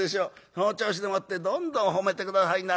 その調子でもってどんどん褒めて下さいな』